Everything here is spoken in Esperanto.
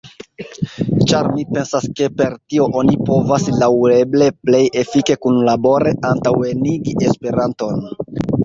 Ĉar mi pensas ke per tio oni povas laŭeble plej efike kunlabore antaŭenigi esperanton.